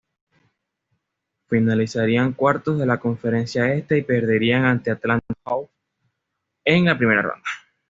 Finalizarían cuartos de la Conferencia Este y perderían ante Atlanta Hawks en primera ronda.